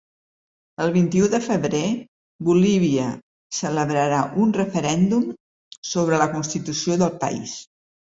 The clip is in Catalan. El vint-i-u de febrer Bolívia celebrarà un referèndum sobre la constitució del país.